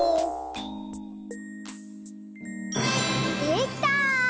できた！